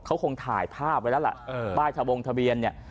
เขาคงถ่ายภาพไว้แล้วล่ะเออป้ายทะวงทะเบียนเนี่ย